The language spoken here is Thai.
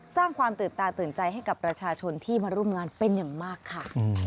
สร้างความตื่นตาตื่นใจให้กับประชาชนที่มาร่วมงานเป็นอย่างมากค่ะ